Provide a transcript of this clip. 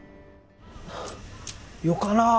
よかなぁ